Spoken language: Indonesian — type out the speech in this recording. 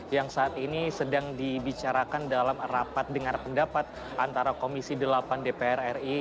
yang saat ini sedang dibicarakan dalam rapat dengar pendapat antara komisi delapan dpr ri